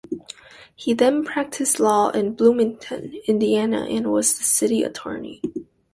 He then practiced law in Bloomington, Indiana and was the city attorney.